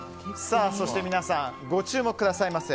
そして、皆さんご注目くださいませ。